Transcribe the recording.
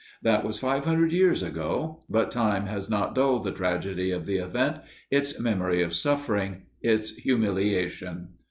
That was five hundred years ago, but time has not dulled the tragedy of the event, its memory of suffering, its humiliation.